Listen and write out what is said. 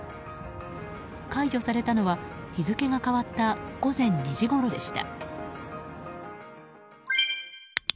解除されたのは、日付が変わった午前２時ごろでした。